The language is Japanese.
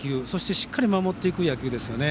しっかり守っていく野球ですね。